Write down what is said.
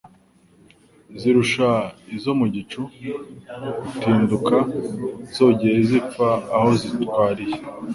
Zirusha izo mu gicu gutindukaIzogeye zipfa aho zirwatiye